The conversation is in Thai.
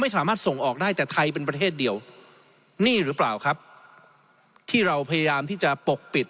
สามารถส่งออกได้แต่ไทยเป็นประเทศเดียวนี่หรือเปล่าครับที่เราพยายามที่จะปกปิด